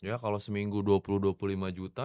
ya kalo seminggu dua puluh dua puluh lima juta